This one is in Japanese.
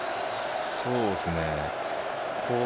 そうですね。